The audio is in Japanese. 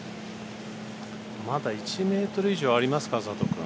まだ１ｍ以上ありますかね佐藤君。